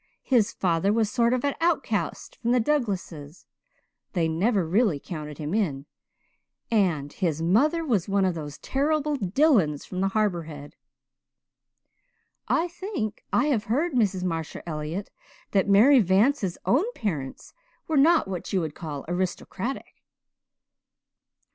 His father was a sort of outcast from the Douglases they never really counted him in and his mother was one of those terrible Dillons from the Harbour Head." "I think I have heard, Mrs. Marshall Elliott, that Mary Vance's own parents were not what you could call aristocratic."